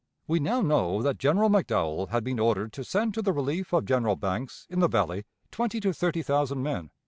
We now know that General McDowell had been ordered to send to the relief of General Banks in the Valley twenty to thirty thousand men.